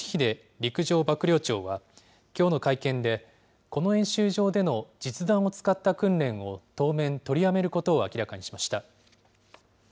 陸上幕僚長は、きょうの会見で、この演習場での実弾を使った訓練を当面、取りやめることを明らかにしました。